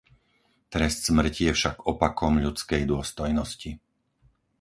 Trest smrti je však opakom ľudskej dôstojnosti.